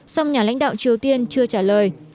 song nhà lãnh đạo triều tiên chưa trả lời